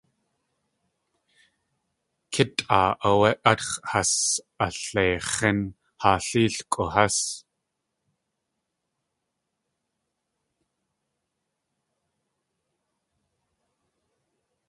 Kítʼaa áwé átx̲ has alyeix̲ín haa léelkʼu hás.